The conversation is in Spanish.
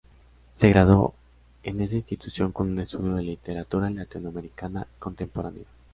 Se graduó en esa institución con un estudio de la Literatura latinoamericana contemporánea.